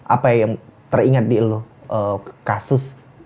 apa yang teringat di kasus